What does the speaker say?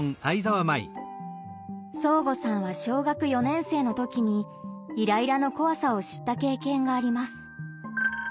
そーごさんは小学４年生の時にイライラの怖さを知った経験があります。